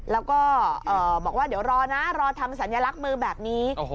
แล้วก็บอกว่าเดี๋ยวรอนะรอทำสัญลักษณ์มือแบบนี้